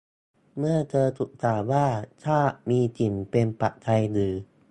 เมื่อเธอถูกถามว่า ชาติมีสิ่งเป็นปัจจัยหรือ